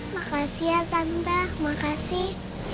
makasih ya tante makasih